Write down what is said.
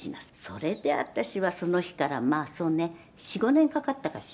それで私はその日からまあそうね４５年かかったかしら」